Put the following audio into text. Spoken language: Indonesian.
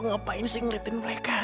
ngapain sih ngeliatin mereka